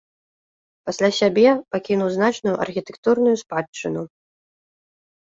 Пасля сябе пакінуў значную архітэктурную спадчыну.